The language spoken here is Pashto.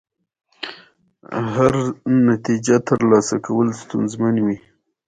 حیثیت اعتباري شی دی چې هر وخت پناه کېدونکی دی.